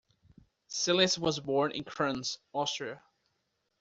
Celeste was born in Krems, Austria.